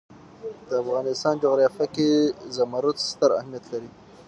د افغانستان جغرافیه کې زمرد ستر اهمیت لري.